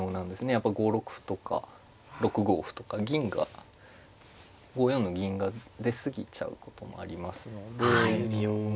やっぱ５六歩とか６五歩とか銀が５四の銀が出過ぎちゃうこともありますので。